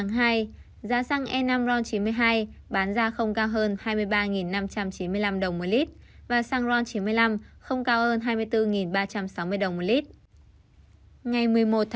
ngày một một hai giá xăng e năm ron chín mươi hai bán ra không cao hơn hai mươi ba năm trăm chín mươi năm đồng một lit xăng ron chín mươi năm không cao hơn hai mươi bốn ba trăm sáu mươi đồng một lit